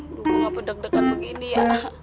gue ga pedek dekan begini ya